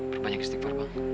berbanyak istighfar bang